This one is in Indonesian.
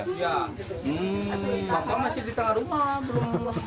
bapak masih di tengah rumah